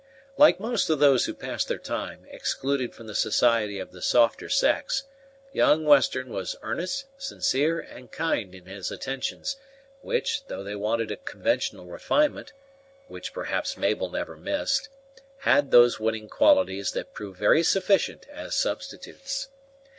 Like most of those who pass their time excluded from the society of the softer sex, young Western was earnest, sincere, and kind in his attentions, which, though they wanted a conventional refinement, which, perhaps, Mabel never missed, had those winning qualities that prove very sufficient as substitutes.